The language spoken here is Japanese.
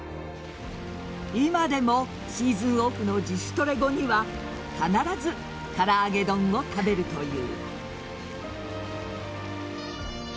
今でもシーズンオフの自主トレ後には必ず、からあげ丼を食べるという。